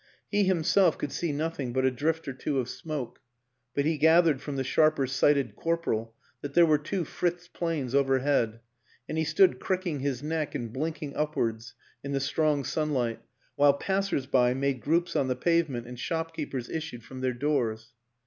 He himself could see noth ing but a drift or two of smoke, but he gathered from the sharper sighted corporal that there were two Fritz planes overhead, and he stood cricking his neck and blinking upwards in the strong sun light while passers by made groups on the pave ment and shopkeepers issued from their doors.